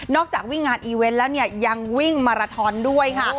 จากวิ่งงานอีเวนต์แล้วเนี่ยยังวิ่งมาราทอนด้วยค่ะ